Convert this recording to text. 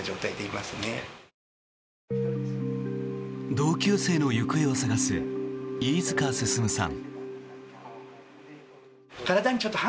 同級生の行方を捜す飯塚進さん。